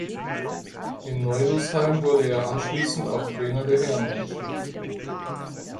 In Neulußheim wurde er anschließend auch Trainer der Herrenmannschaft.